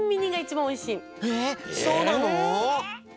えっそうなの？え？